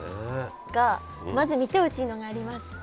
がまず見てほしいのがあります。